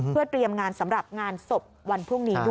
เพื่อเตรียมงานสำหรับงานศพวันพรุ่งนี้ด้วย